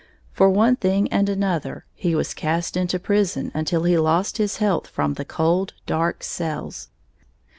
For one thing and another, he was cast into prison until he lost his health from the cold, dark cells.